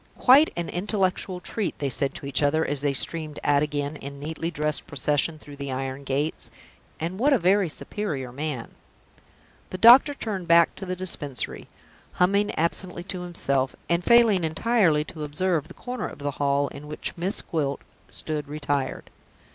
"Quite an intellectual treat!" they said to each other, as they streamed out again in neatly dressed procession through the iron gates. "And what a very superior man!" The doctor turned back to the Dispensary, humming absently to himself, and failing entirely to observe the corner of the hall in which Miss Gwilt stood retired.